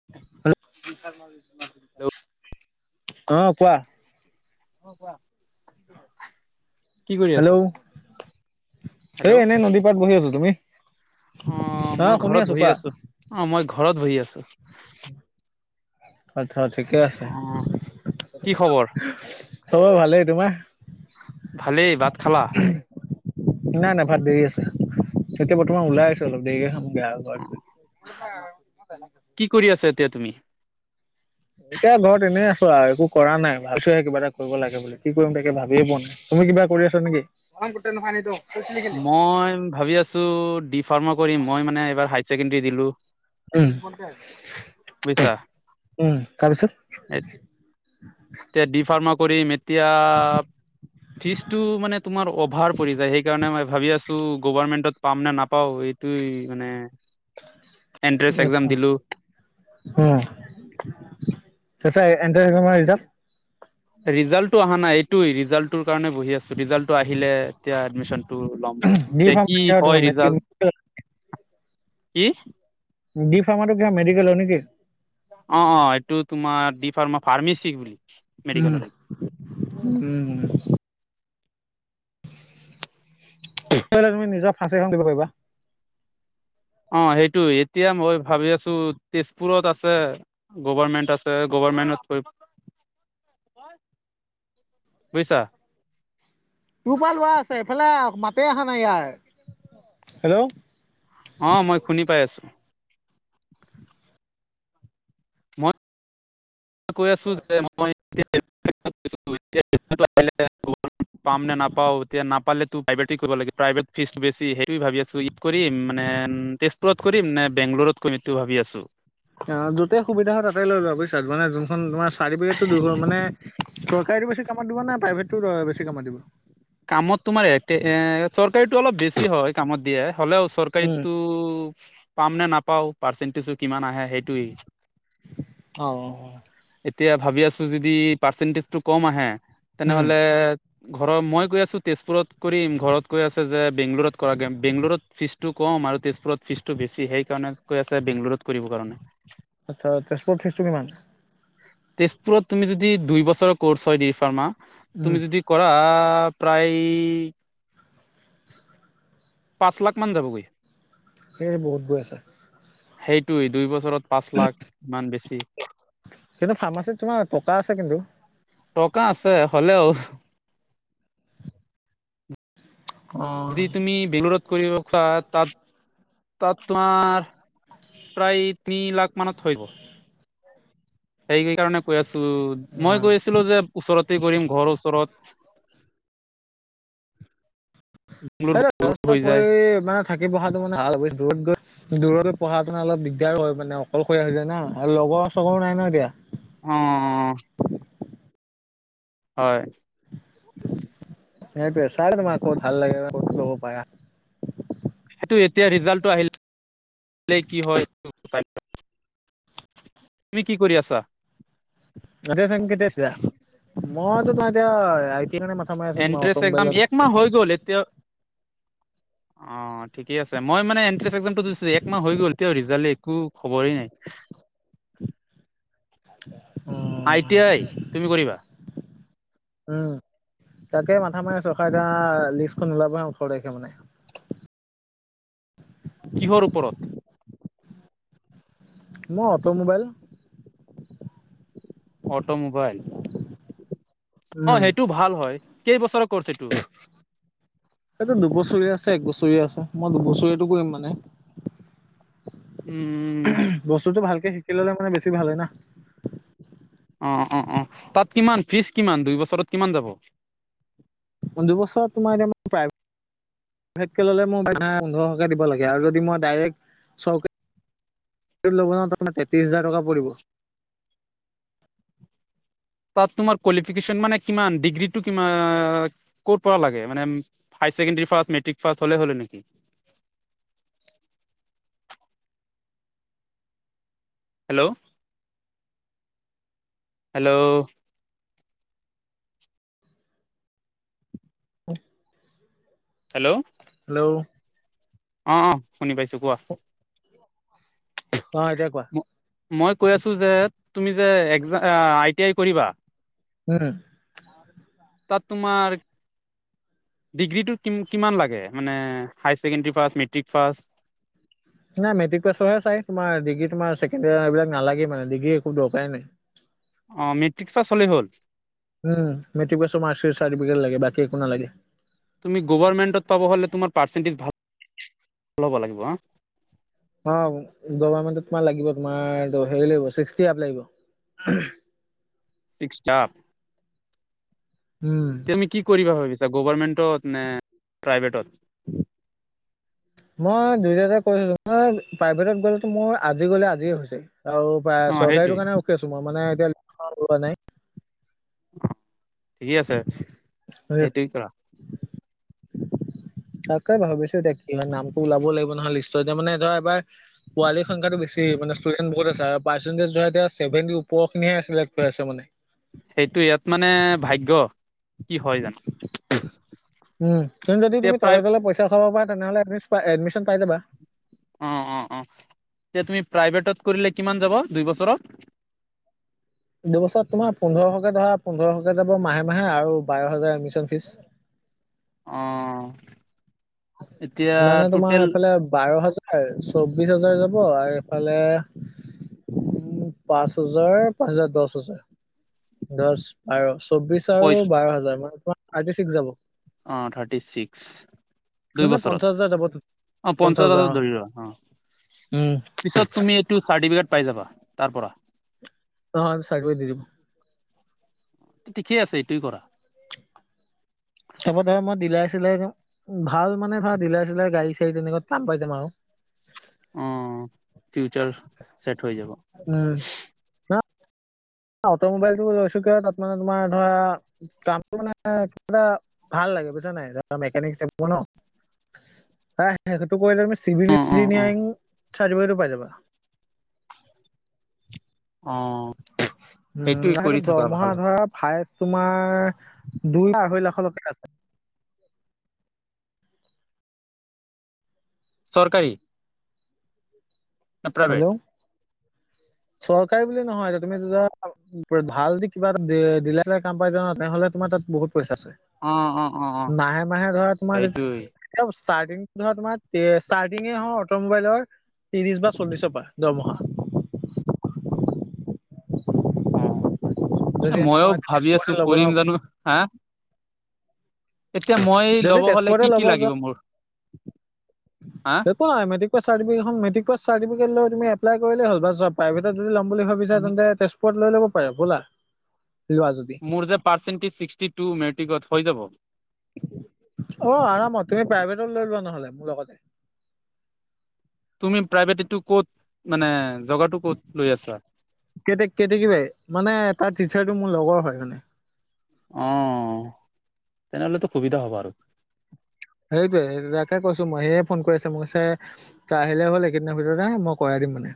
আৰু অ, কোৱা? অ, কোৱা? আছা? হেল্ল', এ হেল্ল' এনেই নদী পাৰত বহি আছো। তুমি? অ, অ' মই শুনি ঘৰত বহি কোৱা আছো - অ, মই ঘৰত বহি আছো। আথ্থা ঠিকে আছে। অ খবৰ ভালেই। তোমাৰ? ভালেই। বাত খালা? নাই নাই ভাত দেৰি আছে তেতিয়া বৰ্তমান ওলাই আছো অলপ দেৰিকে খাম। বেয়া [unintelligible] কি কৰি আছা এতিয়া তুমি? এতিয়া ঘৰত এনেই আছো আৰু একো কৰা নাই ভালছোহে কিবা এটা কৰিব লাগে বুলি কি কৰিম তাকে ভাবিয়েই পোৱা নাই। তুমি কিবা কৰি আছা নিকি? [unintelligible] মই ভাবি আছ ছো দি ফাৰমা কৰিম মই মানে এইবাৰ হাই ছেকেণ্ডাৰী দিলো। উম বুজিছা উম তাৰপিছত এতিয়া ডি ফাৰ্মা কৰিম এতিয়া ফিজটো মানে তোমাৰ অভাৰ পৰি যায় সেইকাৰণে মই ভাবি আছো গভাৰমেন্টত পাম নে নাপাও এইটোয়ে মানে এন্ট্ৰেন্স এক্সাম দিলো [unintelligible] উম তাৰপিছত এণ্টাৰ [unintelligible] ৰিজাল্ট? ৰিজাল্টটো অহা নাই এইটোয়ে ৰিজাল্টটোৰ কাৰণে বহি আছো ৰিজাল্টটো আহিলে এতিয়া এডমিশন তো লম ডি এতি ফাৰ্মা কি কিহৰ তোমাৰ হয় ৰিজাল্ট কি? ডি ফাৰ্মাটো কিহৰ মেডিকেলৰ নেকি? অ অ এইটো তোমাৰ ডি ফাৰ্মা ফাৰ্মেচি বুলি মেডিকেলৰ উম, উম, উম এহ তুমি নিজৰ ফাঁচী এখন দিব পাৰিবা। অ সেইটো এতিয়া মই ভাবি আছোঁ, তেজপুৰত আছে। গভাৰমেণ্ট আছে গভাৰমেণ্টত‌ কৰিব [inaudible] বুইছা। তোৰ পৰা লোৱা আছে, এইফালে মাতে অহা নাই ইয়াৰ, হেল্ল। অহ মই শুনি পাই আছো। মই কৈ আছো যে মই [unintelligible] পাম নে নাপাওঁ এতিয়া নাপালে তো প্ৰাইভেট কৰিব লাগে, প্ৰাইভেট ফিজ বেছি। সেইটোয়ে ভাবি আছোঁ। কৰিম মানে তেজপুৰত কৰিম নে বেংগলৰত কৰিম এইটো ভাবি আছোঁ। অ যতেই সুবিধা হয়, তাতে লৈ লোৱা বুজিছা, মানে যোনখন তোমাৰ চাৰ্টিফিকেটটো দুইখন মানে চৰকাৰীটো বেছি কামত দিব নে প্ৰাইভেতটো বেছি কামত দিব? কামত তোমাৰ এক এ চৰকাৰীটো অলপ বেছি হয়, কামত দিয়ে, হলেও উম চৰকাৰীটো পাম নে নাপাওঁ পাৰ্চেন্টেজটো কিমান আহে, সেইটোৱেই। অহ এতিয়া ভাবি আছো যদি পাৰ্চেন্টিজটো কম আহে, উম তেনেহলে ঘৰৰ মই গৈ আছোঁ তেজপুৰত কৰিম, ঘৰত কৈ আছে যে বেংগলোৰত কৰা গৈ, বেংগলোৰত ফীজটো কম আৰু তেজপুৰত ফিজটো বেছি সেইকাৰণে কৈ আছে বেংগলৰত কৰিব কাৰণে। আচ্ছা তেজপুৰৰ ফিজটো কিমান? তেজপুৰত তুমি যদি দুই বছৰৰ কৰ্চ হয় ডি ফাৰ্মা উম তুমি যদি কৰা প্ৰায় [unintelligible] পাঁচ লাখ মান যাবগৈ। সেই বহুত গৈ আছে। সেইটোৱেই দুই বছৰত পাঁচ লাখ। ইমান বেছি কিন্তু ফাৰ্মাচীত তোমাৰ টকা আছে কিন্তু টকা আছে হলেও অ। যদি তুমি বেংগলোৰত কৰিব পাৰা তাত তাত তোমাৰ প্ৰায় তিনি লাখ মানত হইব। [inaudible] সেইকাৰণে কৈ আছিলোঁ, মই কৈ আছিলোঁ যে ওচৰতে কৰিম ঘৰৰ ওচৰত। দূৰ সেই হৈ যায় পঢ়ি, মানে থাকি পঢ়াটো মানে দূৰত গৈ দূৰত পঢ়া শুনা অলপ দিগদাৰো হয় মানে, অকলশৰীয়া হৈ যায় নহ আৰু লগৰ চগৰো নাই নহ এতিয়া। অহ। হয়। সেইটোৱে চাইলবা তোমাৰ কত ভাল লাগে কত লব পাৰা। সেইটো এতিয়া ৰিজাল্টটো আহিলে কি হয়, চাইলও তুমি কি কৰি আছা? তাতে আছিলা নে কত আছিলা? মইতো মই এতিয়া আই তি আই কাৰণে মাথা মাৰি আছো তোমাৰ এণ্ট্ৰেছ একজাম অট'মোবাইলত। একমাহ হৈ গ'ল এতিয়া [unintelligible] অ ঠিকেই আছে। মই মানে এণ্ট্ৰেন্স একজামটো দিছো। একমাহ হৈ গল, এতিয়াও ৰিজাল্ট একো খবৰেই নাই। অহ। আই টি আই তুমি কৰিবা। উম। তাকে মাথা মাৰি আছোঁ ৰখা এতিয়া লিষ্টখন ওলাবহে ওঠৰ তাৰিখ মানে। কিহৰ ওপৰত? মই অট'মোবাইল। অটোমোবাইল অঁ উম, সেইটো ভাল হয়। কেইবছৰ কৰ্চ এইটো? এইটো দুবছৰিয়া আছে একবছৰিয়া আছে মই দুবছৰিয়াটো কৰিম মানে। [unintelligible] উম উম। বস্তুটো ভালকে শিকি ললে মানে বেছি ভাল হয় না। অঁ, অঁ, অঁ, তাত কিমান ফিজ কিমান দুই বছৰত কিমান যাব? পোন্ধ বছৰত তোমাৰ এতিয়া প্ৰায় ভেট কে ললে মই পোন্ধৰশকে দিব লাগে আও, যদি মই ডাইৰেক্ট চৰকাৰি লব যাওঁ তাৰ তেত্ৰিছ হাজাৰ টকা পৰিব। তাত তোমাৰ কোৱালিফিকেশ্যন মানে কিমান ডিগ্ৰীটো কি ক' পৰা লাগে মানে হাইাৰেকেণ্ডাৰী পাছ মেট্ৰিক পাছ হলেই হল নেকি? হেল্ল'। হেল্ল'। [unintelligible] হেল্ল'। হেল্ল। অঁ অঁ শুনি পাইছো কোৱা। অ এতিয়া কোৱা। মই কৈ আছো যে তুমি যে একজাম- আই টি আই কৰিবা, উম। তাত তোমাৰ- ডিগ্ৰীটো কি কিমান লাগে মানে high secondary pass matric pass নাই মেট্ৰিক পছৰ হে চাই তোমাৰ দিগ্ৰী তোমাৰ ছেকেডয়াৰ এইবিলাক নালাগে মানে ডিগ্ৰী একো দৰকাৰেই নাই। অ মেট্ৰিক পাছ হ'লেই হ'ল। উম মেট্ৰিক পাছৰ মাৰ্কশ্বিট চাৰ্টিফিকেট লাগে বাকী একো নালাগে। তুমি গভাৰমেন্টত পাব হ'লে তোমাৰ পাৰ্চেন্টেজ ভাল হ'ব লাগিব হা। অ গভমেণ্টত তোমাৰ লাগিব তোমাৰ হেৰি লাগিব ছিক্সটি আপ লাগিব। [unintelligible] উম। তুমি কি কৰিবা ভাবিছা গভৰ্মেণ্টত নে প্ৰাইভেটত? মই দুই তাতে কৰিছিলো মই প্ৰাইভেটত গলেতো মোৰ আজি গলে আজিয়ে হৈছে আৰু। অ' চৰকাৰী সেইটোৱে টো কাৰণে মই ৰখি আছো মই মানে এতিয়া মই মানে। ঠিকেই আছে সেইটোৱে কৰা। [inaudible] তাকে ভাবিছো এতিয়া কি হয় নামটো ওলাবও লাগিব, নহয় লিষ্টৰ এতিয়া মানে ধৰা এবাৰ- পোৱালীৰ সংখ্যাটো বেছি মানে ষ্টুডেণ্ট বহুত আছে আৰু পাৰ্চেন্টেজ ধৰা এতিয়া ছেভেনটি ওপৰৰ খিনিহে আছে মানে। সেইটোৱে ইয়াত মানে ভাগ্য, কি হয় জানো। উম কিন্তু যদি এতিয়া তুমি তলে প্ৰায় তলে পইচা খাব পা তেনেহলে এডমিচন পাই যাবা। অ অ অ এতিয়া তুমি প্ৰাইভেটত কৰিলে কিমান যাব দুই বছৰত? দুবছৰ তোমাৰ পোন্ধৰশকে ধৰা পোন্ধৰশকে যাব মাহে মাহে আৰু বাৰ হাজাৰ এডমিশন ফিজ। অঁ মানে তোমাৰ এইফালে বাৰ হা- হয় চৌবিশ হাজাৰ যাব আৰু এইফালে- উম পাঁচ হাজাৰ পাঁচ হাজাৰ দচ হাজাৰ, দচ- আৰু চৌবিশ পই আৰু বাৰ হাজাৰ মানে থাৰ্তি চিক্স যাব। অঁ থাৰ্টি ছিক্স। দুই মানে পঞ্চাশ বছৰত হাজাৰ যাব অঁ পঞ্চাশ পঞ্চাছ হাজাৰ অ', ধৰিব অহঁ। উম, পিছত তুমি এইটো চাৰ্টিফিকেট পাই যাবা তাৰ পৰা। [unintelligible] দি দিম। ঠিকেই আছে এইটোই কৰা। হ'ব ধৰা মই ডিলাই -চিলাই ভাল মানে ধৰা ডিলাই- চিলাই গাড়ী- চাড়ী তেনেকুৱাত কাম পাই যাম আৰু। অ, ফিউচাৰ ছেট হৈ যাব। অ, অটো মোবাইলটো লৈছো কিয় তাত মানে তোমাৰ ধৰা কামটো মানে কিবা এটা ভাল লাগে বুইচা নাই মেকানিক হিচাপ [unintelligible] হে সেইটো কৰিলে তুমি চিভিল অ অ অ ইঞ্জিনিয়াৰিং চাৰ্টিফিকেটো পাই যাবা। অ', উম, সেইটোৱে কৰি সেইটোত থকা দৰমহা ভাল আছে ধৰা হায়েজ তোমাৰ দুই আঢ়ৈ লাখ [unintelligible] আছে। চৰকাৰী? ন প্ৰাইভেট হেল্ল', চৰকাৰী বুলি নহয় এতিয়া তুমি ধৰা ভাল দি কিবা এটা দিলাই চিলাই কাম পাই যাবা না তেনেহ'লে তোমাৰ তাত বহুত পইচা আছে। অ অ অ অ মাহে -মাহে ধৰা তোমাৰ সেইটোৱে [unintelligible] [unintelligible] ষ্টাৰ্টিংটো ধৰা তোমাৰ [unintelligible] ষ্টাৰ্টিঙে হ অটো মোবাইলৰ ত্ৰিশ বা চ চল্লিছৰ পা দৰমহা। অ, এ যদি মইও মই ভাবি আছো তেজপুৰতে ল'ব কৰিম যাওঁ জানো হা? এতিয়া মই যদি ল'ব হলে তেজপুৰতে কি- কি ল'ব যোৱা লাগিব মোৰ হা? কোৱা মেট্ৰিক পাছ চাৰটিফিকেটখন মেট্ৰিক পাছ চাৰটিফিকেট লৈ তুমি এপ্লাই কৰিলেই হ'ল বা জব প্ৰাইভেটত যদি ল'ম বুলি ভাব [unintelligible] তেন্তে তেজপুৰত লৈ ল'ব পাৰে বলা লোৱা যদি? মোৰ যে পাৰ্চেণ্টিজ ছিক্সটি টু মেট্ৰিকত হৈ যাব? অ, আৰামত তুমি প্ৰাইভেটত লৈ লোৱা নহ'লে মোৰ লগতে? তুমি প্ৰাইভেট এটো ক'ত মানে জগাটো ক'ত লৈ আছা? কেতে -কেতেকী বাই মানে তাৰ টিচাৰটো মোৰ লগৰ হয় মানে। অ, তেনেহ'লেতো সুবিধা হ'ব আৰু। সেইটোৱে- সেইটোৱে তাকে কৈছো মই সেয়ে ফোন কৰি আছে মোকছে তাই আহিলে হ'ল এইকেইদিনৰ ভিতৰতে মই কৰাই দিম মানে।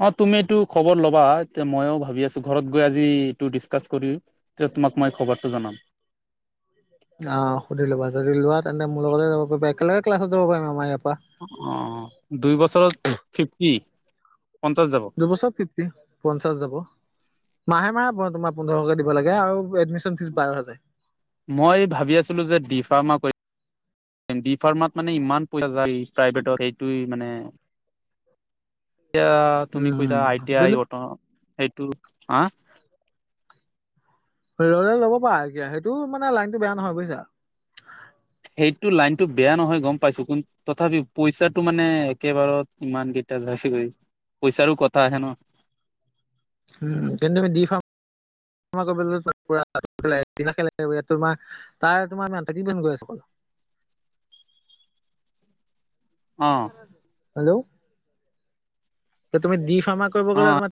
অ, তুমিটো খবৰ ল'বা এতিয়া মইও ভাবি আছো ঘৰত গৈ আজি এইটো ডিচকাচ কৰি তে তোমাক মই খবৰটো জনাম। আ, সুধি ল'বা যদি লোৱা তেন্তে মোৰ লগতে যাব পাৰিবা একেলগে ক্লাছত যাব পাৰিম আমাৰ ইয়াৰ পা। অ, দুই বছৰত ফিফটি পঞ্চাছ যাব। দুবছৰ ফিফটি পঞ্চাশ যাব মাহে- মাহে মই তোমাৰ পোন্ধৰশকে দিব লাগে আৰু এডমিছ চন ফিছ বাৰ হাজাই। মই ভাবি আছিলোঁ যে ডি ফাৰ্মা কৰি ম ডি ফাৰ্মাত মানে ইমান পইচা যায় প্ৰাইভেটত সেইটোই মানে এতিয়া তুমি উম, কৈছা আই টি আই কিন্তু অট সেইটো আহ? ৰৈ ল'লে ল'ব পা এতিয়া সেইটো মানে লাইনটো বেয়া নহয় বুইছা? সেইটো লাইনটো বেয়া নহয় গম পাইছোঁ কোন তথাপি পইচাটো মানে একেবাৰত ইমান কেইটা লেফিউৰি পইচাৰো কথা আহে ন'। উম, কিন্তু তুমি ডি ফাৰ্ম কৰিবলৈ [unintelligible] তোমাৰ তাৰ তোমাৰ মান [unintelligible] অকল। অ', হেল্ল', এতিয়া তুমি দি ফাৰ্মা কৰিব গ'লে তোমাক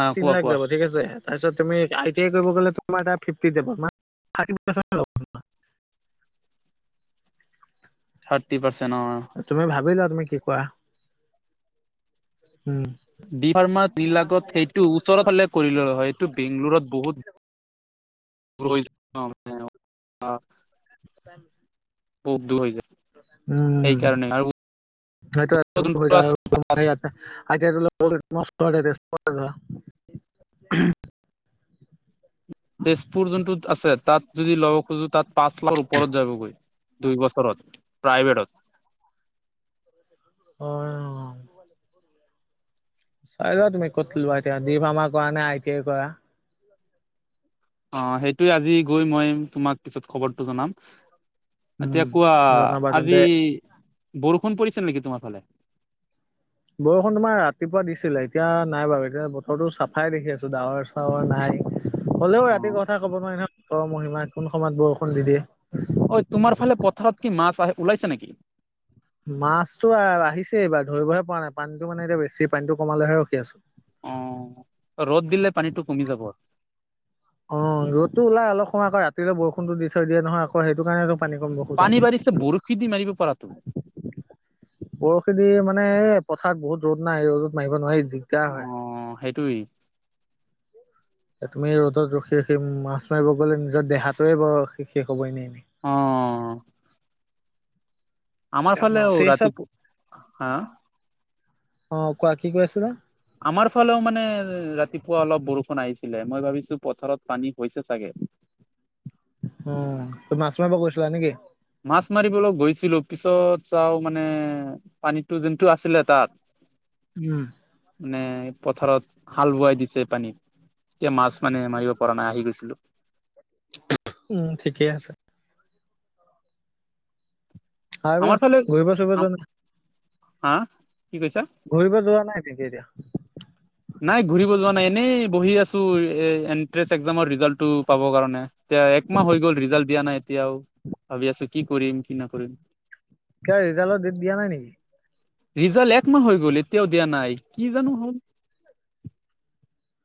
অ তিন কোৱা লাখ কোৱা যাব। ঠিক আছে তাৰপিছত তুমি আই টি আই কৰিব গ'লে তোমাৰ তাত ফিফটি যাব [unintelligible] থাৰটি পাৰ্চেন্ত অ। তুমি ভাবি লোৱা তুমি কি কোৱা? ডি ফাৰ্মা বিলাকত সেইটো ওচৰৰ ফালে কৰি ললে হয় এইটো বেংগলোৰত বহুত- [unintelligible] [unintelligible] বহুত দূৰ হৈ যায়। উম সেইকাৰণে আৰু হয়তো যোনটো আছে [unintelligible] আই টি মস্ত [unintelligible] তেজপুৰ যোনটোত আছে তাত যদি ল'ব খোজো তাত পাঁচ লাখৰ ওপৰত যাবগৈ। দুই বছৰত প্ৰাইভেটত। অ চাই লোৱা তুমি কত লোৱা এতিয়া ডিভামা কৰা নে আই টি আই কৰা। অঁ সেইটোৱে আজি গৈ মই তোমাক পিছত খবৰটো জনাম। এতিয়া উম, কোৱা জনাবা আজি তেন্তে। বৰষুণ পৰিছিল নেকি তোমাৰ ফালে? বৰষুণ তোমাৰ ৰাতিপুৱা দিছিলে এতিয়া নাই বাৰু এতিয়া বতৰটো চাফাই দেখি আছো ডাৱৰ চাৱৰ নাই। হ'লেও ৰাতিৰ অ কথা ক'ব নোৱাৰি নহয়। ঈশ্বৰৰ মহিমা কোন সময়ত বৰষুণ দি দিয়ে। অঁ তোমাৰ ফালে পথাৰত কি মাছ আহে ওলাইছে নেকি? মাছতো আহিছে এইবাৰ ধৰিবহে পৰা নাই। পানীটো মানে এতিয়া বেছি, পানীটো কমালেহে ৰখি আছো। অঁ ৰ'দ দিলে পানীটো কমি যাব। অঁ ৰদটো ওলাই অলপ সময় আকৌ ৰাতিলে বৰষুণটো দি থৈ দিয়ে নহয়। আকৌ সেইটো কাৰণে- পানী বাঢ়িছে বৰশী দি মাৰিব পাৰা তো। বৰশী দি মানে এ পথাৰত বহুত ৰ'দ নাই এই ৰ'দত মাৰিব নোৱাৰি অঁ সেইটোৱেই। এ তুমি ৰ'দত ৰখি ৰখিম মাছ মাৰিব গ'লে নিজৰ দেহাটোয়ে ব-ৰ শেষ - শেষ হবই নে? অ! আমাৰ ফালেও মাছে চাব ৰাতিপু, হা? অ, কোৱা। কি কৈ আছিলা? আমাৰ ফালেও মানে ৰাতিপুৱা অলপ বৰষুণ আহিছিলে মই ভাবিছো পথাৰত পানী হৈছে চাগে। উম ত মাছ মাৰিব গৈছিলা নেকি? মাছ মাৰিবলৈ গৈছিলোঁ পিছত চাওঁ মানে- পানীটো যোনটো আছিলে তাত। উম। মানে পথাৰত হাল বোৱাই দিছে পানী। তিয়া মাছ মানে মাৰিব পৰা নাই আহি গৈছিলোঁ। উম ঠিকেই আছে। আৰু আমাৰ ফালে, ঘূৰিব চুৰিব যোৱা নাই হা কি কৈছা? ঘূৰিব যোৱা নাই নেকি এতিয়া? নাই ঘূৰিব যোৱা নাই। এনেই বহি আছো এ এনট্ৰেছ এক্সামৰ ৰিজাল্টটো পাবৰ কাৰণে। এতিয়া একমাহ হৈ গ'ল ৰিজাল্ট দিয়া নাই এতিয়াও, ভাবি আছো কি কৰিম কি নকৰিম। কিয় ৰিজালৰ ডেট দিয়া নাই নিকি ৰিজাল একমাহ হৈ গ'ল এতিয়াও দিয়া নাই কি জানো হ'ল।